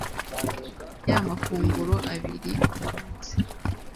Ya mafunguro abiri ku munsi